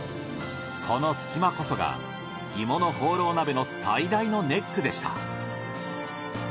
この隙間こそが鋳物ホーロー鍋の最大のネックでした。